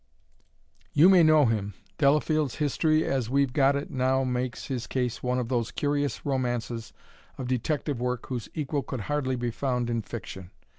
"You may know him. Delafield's history as we've got it now makes his case one of those curious romances of detective work whose equal could hardly be found in fiction.